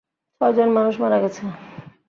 ছয়জন মানুষ মারা গেছে।